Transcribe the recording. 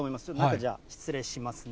じゃあ、失礼しますね。